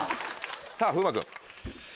さぁ風磨君。